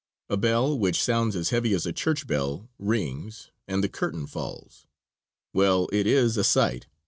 A bell, which sounds as heavy as a church bell, rings and the curtain falls. Well, it is a sight!